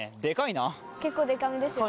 結構デカめですよね。